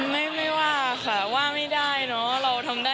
ไม่ว่าค่ะว่าไม่ได้เนาะ